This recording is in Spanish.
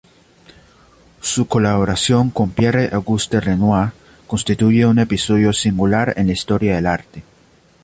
Su colaboración con Pierre-Auguste Renoir constituye un episodio singular en la historia del arte.